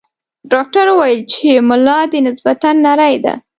ډاکټر ویل چې ملا دې نسبتاً نرۍ ده.